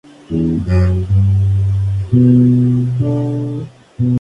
Que más tarde terminó alcanzando el número siete en las listas paraguayas Monitor Latino.